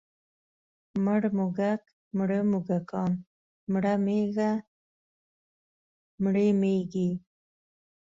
مړ موږک، مړه موږکان، مړه مږه، مړې مږې.